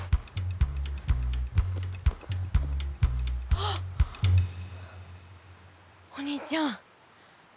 あ！お兄ちゃん。